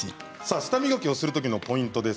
舌磨きをするときのポイントです。